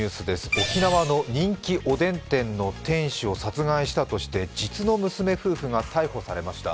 沖縄の人気おでん店の店主を殺害したとして実の娘夫婦が逮捕されました。